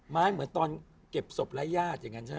เหมือนตอนเก็บศพไร้ญาติอย่างนั้นใช่ไหม